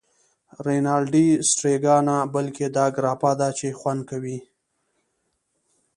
رینالډي: سټریګا نه، بلکې دا ګراپا ده چې خوند کوی.